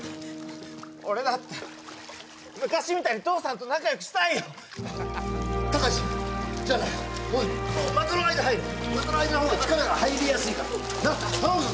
俺だって昔みたいに父さんと仲よくしたいよタカシじゃあな股の間入れ股の間の方が力が入りやすいからなっ頼むぞ